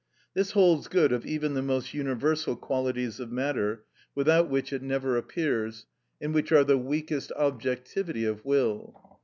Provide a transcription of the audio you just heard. This holds good of even the most universal qualities of matter, without which it never appears, and which are the weakest objectivity of will.